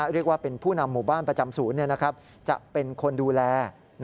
เรียกว่าเป็นผู้นำหมู่บ้านประจำศูนย์จะเป็นคนดูแล